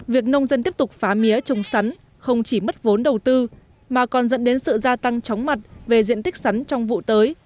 việc nông dân tiếp tục phá mía trồng sắn không chỉ mất vốn đầu tư mà còn dẫn đến sự gia tăng chóng mặt về diện tích sắn trong vụ tới